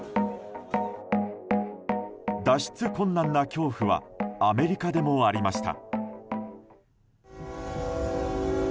脱出困難な恐怖はアメリカでもありました。